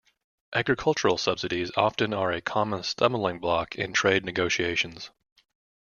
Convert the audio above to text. Agricultural subsidies often are a common stumbling block in trade negotiations.